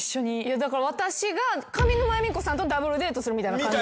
だから私が上沼恵美子さんとＷデートするみたいな感じ？